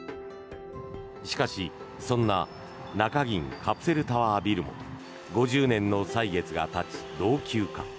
しかし、そんな中銀カプセルタワービルも５０年の歳月がたち、老朽化。